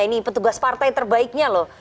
ini petugas partai terbaiknya loh